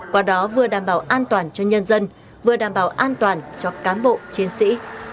qua đó vừa đảm bảo an toàn cho nhân dân vừa đảm bảo an toàn cho cán bộ chiến sĩ